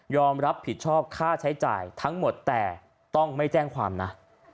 รับผิดชอบค่าใช้จ่ายทั้งหมดแต่ต้องไม่แจ้งความนะ